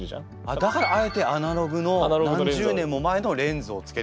だからあえてアナログの何十年も前のレンズをつけて。